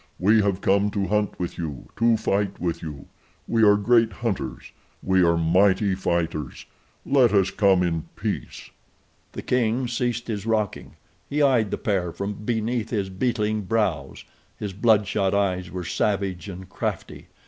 We have come to hunt with you, to fight with you. We are great hunters. We are mighty fighters. Let us come in peace." The king ceased his rocking. He eyed the pair from beneath his beetling brows. His bloodshot eyes were savage and crafty.